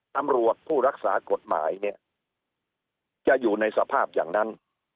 ตำรวจผู้รักษากฎหมายเนี่ยจะอยู่ในสภาพอย่างนั้น